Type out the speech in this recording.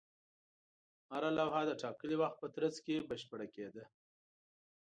هره لوحه د ټاکلي وخت په ترڅ کې بشپړه کېده.